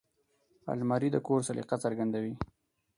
الماري د کور سلیقه څرګندوي